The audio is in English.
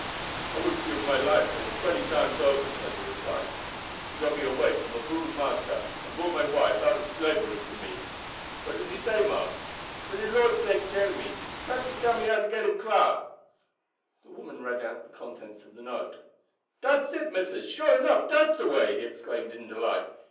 "I would gib my life for him twenty times over," Tony replied. "He got me away from a brutal master and bought my wife out ob slavery for me. What does he say, ma'am? For de Lord sake tell me. Perhaps he tell me how to get him clar." The woman read out the contents of the note. "Dat's it, missus, sure enough; dat's the way," he exclaimed in delight.